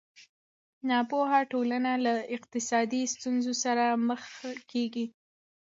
ناپوهه ټولنه له اقتصادي ستونزو سره مخ کېږي.